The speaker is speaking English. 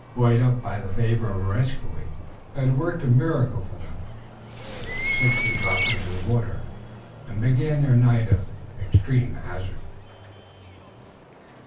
Buoyed up by the favor of Areskoui, who had worked a miracle for them, the sixty dropped into the water, and began their night of extreme hazard.